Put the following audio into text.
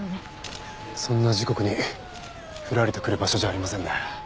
そんな時刻にふらりと来る場所じゃありませんね。